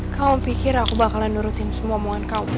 kamu pikir aku bakalan nurutin sebuah omongan kamu